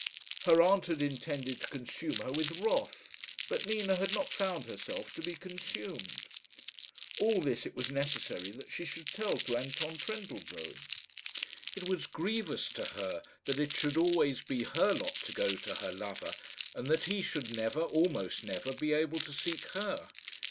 Her aunt had intended to consume her with wrath, but Nina had not found herself to be consumed. All this it was necessary that she should tell to Anton Trendellsohn. It was grievous to her that it should be always her lot to go to her lover, and that he should never almost never be able to seek her.